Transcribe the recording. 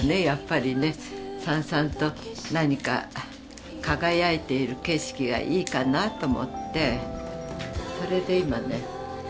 やっぱりねさんさんと何か輝いている景色がいいかなと思ってそれで今ね